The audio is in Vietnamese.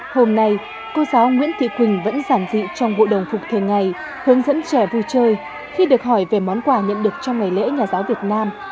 hôm nay cô giáo nguyễn thị quỳnh vẫn giản dị trong hội đồng phục ngày hướng dẫn trẻ vui chơi khi được hỏi về món quà nhận được trong ngày lễ nhà giáo việt nam